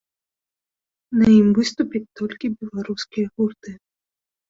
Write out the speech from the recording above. На ім выступяць толькі беларускія гурты.